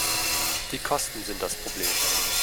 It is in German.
Die Kosten sind das Problem.